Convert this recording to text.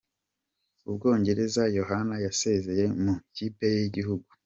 U Bwongerez yohana yasezeye mu kipe ye y’Igihugu